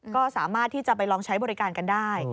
ก็สามารถที่จะไปลองใช้บริการกันได้